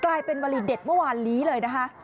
กลายเป็นวรีเด็ดเมื่อวานหลีเลยนะคะ